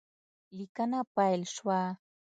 لیکنه پیل شوه